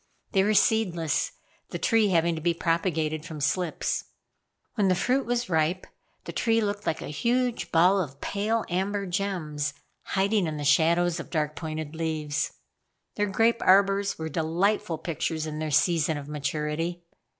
They were seedless, the tree having to be propagated from slips. When the fruit was ripe the tree looked like a huge ball of pale amber gems hiding in the shadows of dark pointed leaves. Their grape arbors were delightful pictures in their season of maturity.